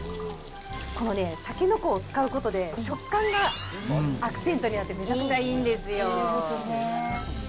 このね、たけのこを使うことで食感がアクセントになってめちゃくちゃいいいいですね。